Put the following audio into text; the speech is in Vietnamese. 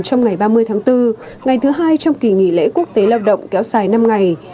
trong ngày ba mươi tháng bốn ngày thứ hai trong kỳ nghỉ lễ quốc tế lao động kéo dài năm ngày